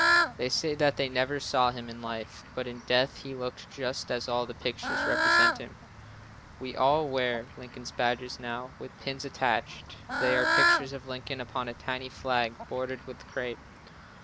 They say that they never saw him in life, but in death he looked just as all the pictures represent him. We all wear Lincoln badges now, with pin attached. They are pictures of Lincoln upon a tiny flag, bordered with crape.